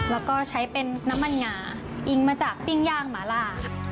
แล้วก็ใช้เป็นน้ำมันหงาอิงมาจากปิ้งย่างหมาล่าค่ะ